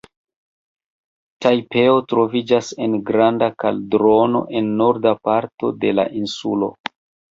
Tajpeo troviĝas en granda kaldrono en norda parto de la insulo.